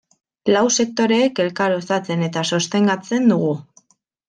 Lau sektoreek elkar osatzen eta sostengatzen dugu.